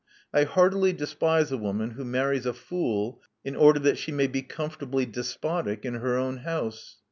I heartily despise a woman who marries a fool in order that she may be comfortably despotic in her own house.